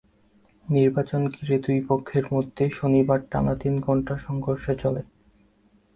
নির্বাচন ঘিরে দুই পক্ষের মধ্যে শনিবার টানা তিন ঘণ্টা সংঘর্ষ চলে।